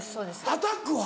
アタックは？